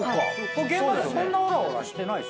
現場でそんなオラオラしてない。